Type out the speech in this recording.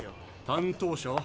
担当者は？